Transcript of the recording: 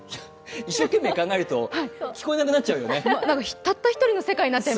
一生懸命、考えると聞こえなくなっちゃうよね。